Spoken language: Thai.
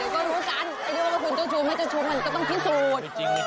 ดูว่าคุณเจ้าชู้ไม่เจ้าชู้มันก็ต้องพินสูตร